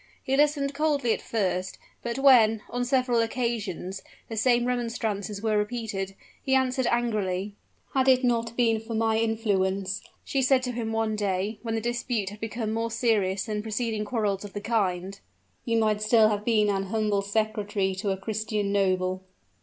He listened coldly at first; but when, on several occasions, the same remonstrances were repeated, he answered angrily. "Had it not been for my influence," she said to him one day, when the dispute had become more serious than preceding quarrels of the kind, "you might still have been an humble secretary to a Christian noble."